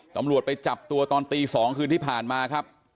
ตำรวจไปจับตัวตอนตี๒คืนที่ผ่านมาครับ